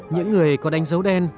những người có đánh dấu đen